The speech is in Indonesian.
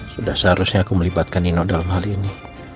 sudah seharusnya aku melibatkan nino dalam hal ini